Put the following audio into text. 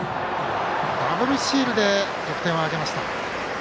ダブルスチールで得点を挙げました。